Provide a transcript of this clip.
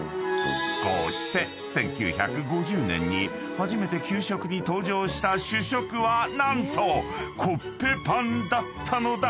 ［こうして１９５０年に初めて給食に登場した主食は何とコッペパンだったのだ］